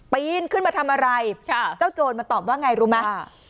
ปีนขึ้นมาทำอะไรเจ้าโจรมาตอบว่าไงรู้ไหม